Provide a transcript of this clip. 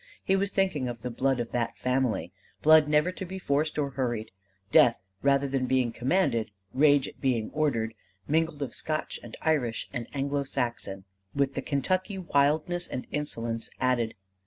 He was thinking of the blood of that family blood never to be forced or hurried: death rather than being commanded: rage at being ordered: mingled of Scotch and Irish and Anglo Saxon with the Kentucky wildness and insolence added.